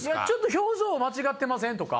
表情間違ってません？とか。